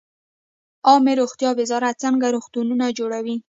عامې روغتیا وزارت څنګه روغتونونه جوړوي؟